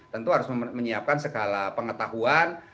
tentu harus menyiapkan segala pengetahuan